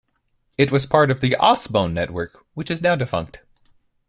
It was part of the AusBone network, which is now defunct.